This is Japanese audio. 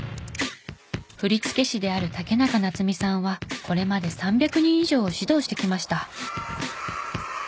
振付師である竹中夏海さんはこれまで３００人以上を指導してきました。